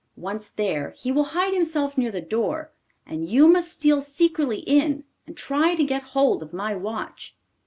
Once there, he will hide himself near the door, and you must steal secretly in and try to get hold of my watch.